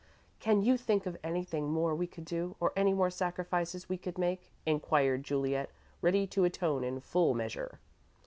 "Can you think of anything more we could do, or any more sacrifices we could make?" inquired Juliet, ready to atone in full measure.